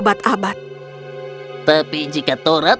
mungkin dia membalas dendam